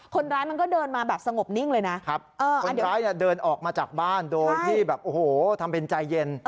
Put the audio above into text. คนร้ายมันก็เดินมาแบบสงบนิ่งเลยนะครับคนร้ายเนี่ยเดินออกมาจากบ้านโดยที่แบบโอ้โหทำเป็นใจเย็น